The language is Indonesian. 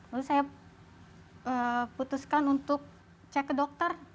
lalu saya putuskan untuk cek ke dokter